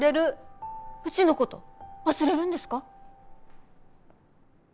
うちのこと忘れるんですか？